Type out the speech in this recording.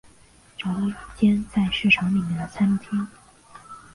找到一间在市场里面的餐厅